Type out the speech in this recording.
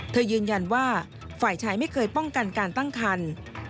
ยืนยันว่าฝ่ายชายไม่เคยป้องกันการตั้งคัน